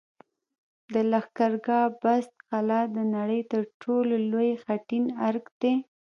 د لښکرګاه بست قلعه د نړۍ تر ټولو لوی خټین ارک دی